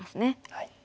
はい。